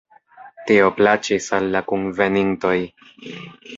Tio plaĉis al la kunvenintoj.